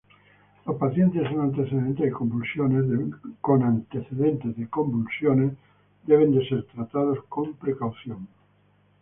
Los pacientes con antecedentes de convulsiones deben ser tratados con precaución.